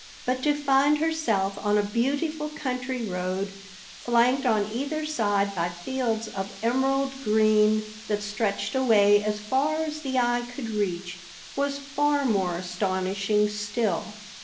But to find herself on a beautiful country road, flanked on either side by fields of emerald green that stretched away as far as the eye could reach, was far more astonishing still.